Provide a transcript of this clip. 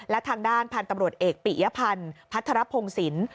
และทางด้านพันธุ์ตำรวจเอกปิยพันธ์พัทรพงศิลป์